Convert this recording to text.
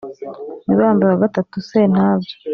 mibambwe wa gatatu sentabyo